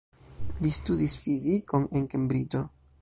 Li studis fizikon en Kembriĝo.